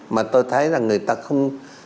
mà tôi thấy là người ta không